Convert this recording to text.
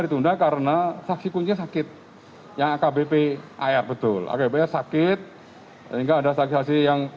ini sudah karena saksi kuncinya sakit yang akbp air betul agar sakit sehingga ada saksi saksi yang